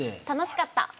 楽しかった。